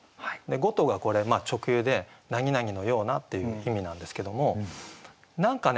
「ごと」がこれ直喩で「なになにのような」っていう意味なんですけども何かね